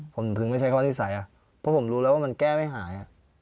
ผมถึงไม่ใช่ข้อนิสัยเพราะผมรู้แล้วว่ามันแก้ไม่หาย